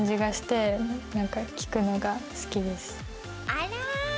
あら。